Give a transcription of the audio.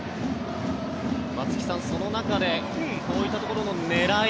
松木さんその中でこういったところの狙い